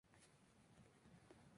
Allí hay cuatro grupos de geoglifos.